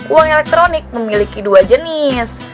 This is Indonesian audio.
uang elektronik memiliki dua jenis